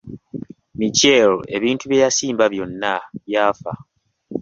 Micheal ebintu bye yasimba byonna byafa.